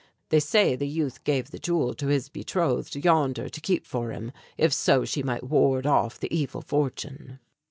They say the youth gave the jewel to his betrothed yonder to keep for him, if so she might ward off the evil fortune."